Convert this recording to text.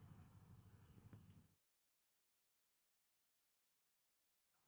aku harus kabur